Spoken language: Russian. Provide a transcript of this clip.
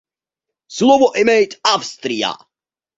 Слово имеет Австрия.